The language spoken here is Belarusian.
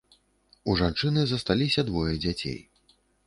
У жанчыны засталіся двое дзяцей.